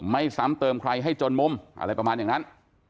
ซ้ำเติมใครให้จนมุมอะไรประมาณอย่างนั้น